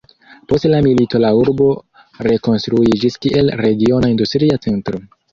Post la milito la urbo rekonstruiĝis kiel regiona industria centro.